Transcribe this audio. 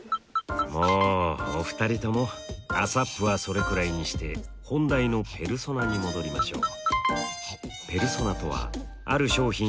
もうお二人ともＡＳＡＰはそれくらいにして本題のペルソナに戻りましょう。